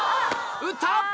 打った！